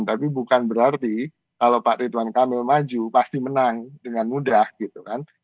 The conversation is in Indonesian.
tapi bukan berarti kalau pak ridwan kamil maju pasti menang dengan mudah gitu kan